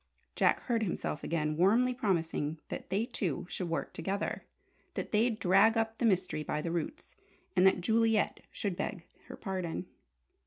Jack heard himself again, warmly promising that they two should work together, that they'd drag up the mystery by the roots, and that Juliet should beg her pardon.